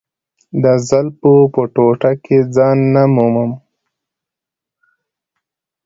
د زلفو په ټوټه کې ځای نه مومم.